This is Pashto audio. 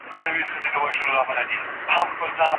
احمد شاه ابدالي څنګه د طبیعي پېښو پر مهال د خلګو سره مرسته کوله؟